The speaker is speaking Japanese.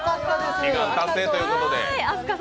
悲願達成ということで。